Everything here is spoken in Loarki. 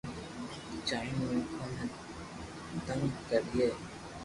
جائين مينکون ني تيگ ڪرتي